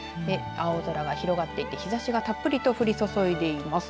青空が広がって、日ざしがたっぷりと降り注いでいます。